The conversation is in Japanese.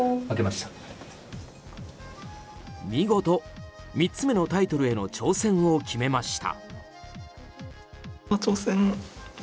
見事、３つ目のタイトルへの挑戦を決めました。